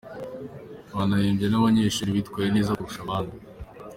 Banahembye n’abanyeshuri bitwaye neza kurusha abandi.